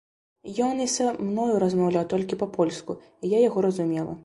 Ён і са мною размаўляў толькі па-польску, і я яго разумела.